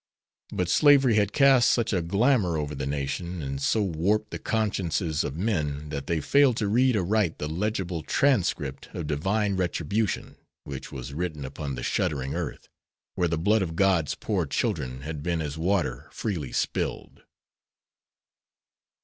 But slavery had cast such a glamour over the Nation, and so warped the consciences of men, that they failed to read aright the legible transcript of Divine retribution which was written upon the shuddering earth, where the blood of God's poor children had been as water freely spilled.